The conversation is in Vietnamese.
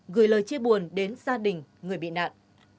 gửi lời chia buồn đến gia đình người bị nạn